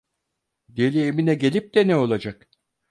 Deli Emine gelip de ne olacak?